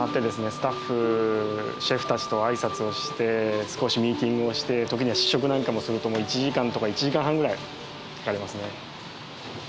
スタッフシェフたちとあいさつをして少しミーティングをして時には試食なんかもするともう１時間とか１時間半ぐらいかかりますね。